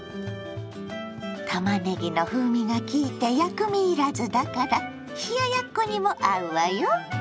たまねぎの風味が効いて薬味いらずだから冷ややっこにも合うわよ。